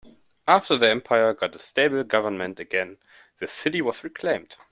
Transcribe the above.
After the empire got a stable government again, the city was reclaimed.